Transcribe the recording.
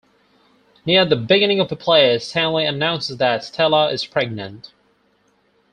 Near the beginning of the play, Stanley announces that Stella is pregnant.